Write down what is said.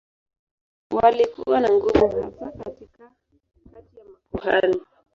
Walikuwa na nguvu hasa kati ya makuhani.